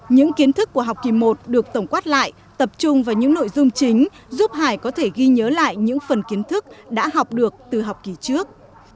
những kiến thức của học kỳ một được tổng quát lại tập trung vào những nội dung chính giúp hải có thể ghi nhớ lại những phần kiến thức đã học được từ học kỳ trước